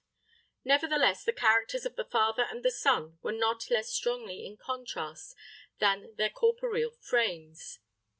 Nevertheless, the characters of the father and the son were not less strongly in contrast than their corporeal frames.